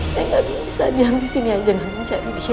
saya nggak bisa diam di sini aja mencari dia